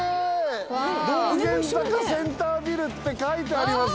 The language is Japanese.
「道玄坂センタービル」って書いてあります。